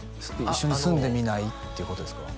「一緒に住んでみない？」っていうことですか？